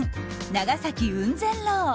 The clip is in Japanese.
長崎雲仙楼。